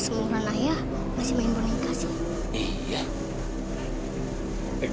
semurah ayah masih main boneka sih